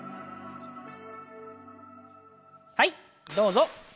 はいどうぞ。